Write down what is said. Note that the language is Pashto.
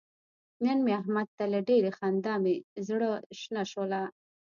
نن مې احمد ته له ډېرې خندا مې زره شنه شوله.